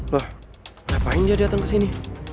loh ngapain dia datang ke sini